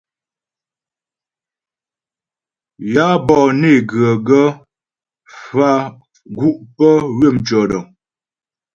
Yǎ bɔ'ɔ né ghə gaə́ faə̀ gu' pə́ ywə̂ mtʉɔ̂dəŋ.